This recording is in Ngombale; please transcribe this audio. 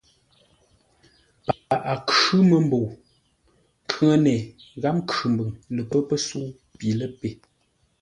Paghʼə khʉ́ məmbəu. Nkhʉŋəne gháp Nkhʉmbʉŋ lə pə́ pəsə̌u pi ləpe.